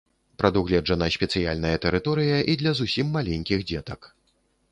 Прадугледжана спецыяльная тэрыторыя і для зусім маленькіх дзетак.